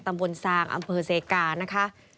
ตำบลสางอำเภอเหตุ์เสกานะคะ